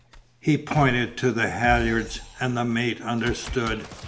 He pointed to the halyards and the mate understood.